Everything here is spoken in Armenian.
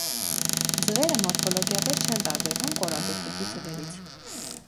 Ձվերը մորֆոլոգիապես չեն տարբերվում կորագլխիկի ձվերից։